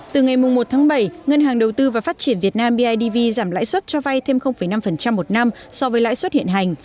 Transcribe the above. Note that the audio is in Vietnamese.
từ ngày một tháng bảy ngân hàng đầu tư và phát triển việt nam bidv giảm lãi suất cho vay thêm năm một năm so với lãi suất hiện hành